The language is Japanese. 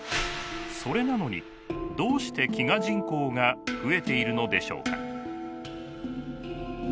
それなのにどうして飢餓人口が増えているのでしょうか？